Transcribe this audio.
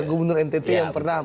gubernur ntt yang pernah